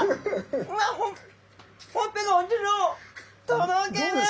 とろける。